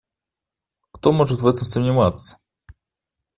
Кто может в этом сомневаться?